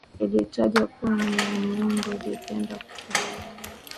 ilitajwa kuwa ni ya muongo ikienda kwa kilometa